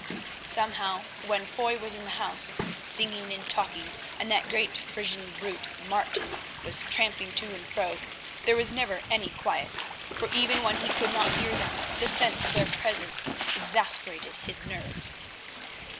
Somehow, when Foy was in the house, singing and talking, and that great Frisian brute, Martin, was tramping to and fro, there was never any quiet, for even when he could not hear them, the sense of their presence exasperated his nerves.